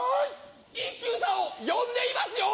一休さんを呼んでいますよ！